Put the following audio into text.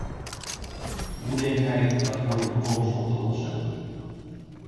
Hoe denkt hij dat voor de toekomst op te lossen?